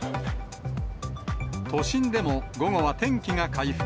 都心でも午後は天気が回復。